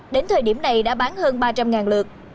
đến thời điểm này đã bán hơn ba trăm linh lượt